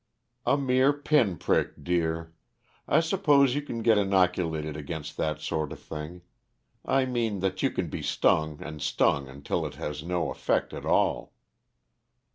"A mere pin prick, dear. I suppose you can get innoculated against that sort of thing. I mean that you can be stung and stung until it has no effect at all."